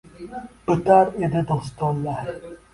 Bitar edi dostonlar.